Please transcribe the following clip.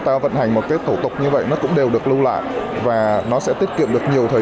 ta vận hành một cái thủ tục như vậy nó cũng đều được lưu lại và nó sẽ tiết kiệm được nhiều thời